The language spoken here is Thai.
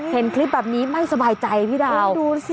เห็นคลิปแบบนี้ไม่สบายใจพี่ดาวดูสิ